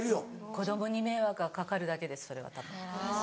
子供に迷惑がかかるだけですそれはたぶん。